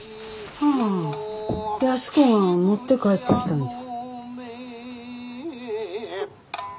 ああ安子が持って帰ってきたんじゃ。